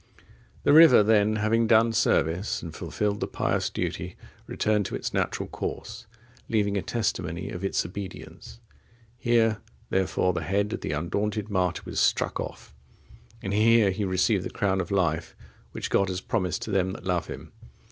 The river then having done service and fulfilled the pious duty, returned to its natural course, leaving a testimony of its obedience.(54) Here, therefore, the head of the undaunted martyr was struck off, and here he received the crown of life, which God has promised to them that love him.